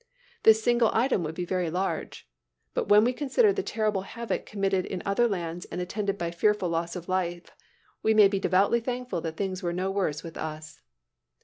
This single item would be very large. But when we consider the terrible havoc committed in other lands and attended by fearful loss of life, we may be devoutly thankful that things were no worse with us.